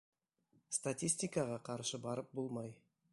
Статистикаға ҡаршы барып булмай.